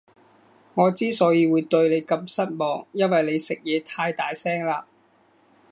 我之所以會對你咁失望，因為你食嘢太大聲喇